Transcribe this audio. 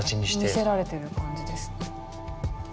見せられてる感じですね。